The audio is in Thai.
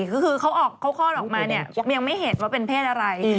คือเขาคลอดออกมาเนี่ยยังไม่เห็นว่าเป็นเพศอะไร